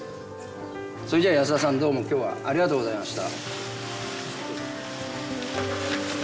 それじゃ安田さんどうも今日はありがとうございました。